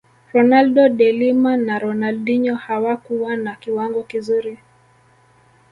ronaldo de Lima na Ronaldinho hawakuwa na kiwango kizuri